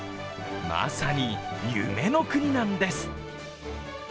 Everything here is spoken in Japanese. まさに夢の国なんです。